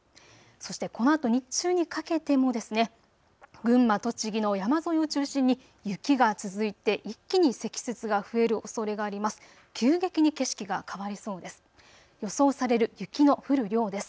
そしてこのあと日中にかけても群馬、栃木の山沿いを中心に雪が続いて一気に積雪が増えるおそれがあります。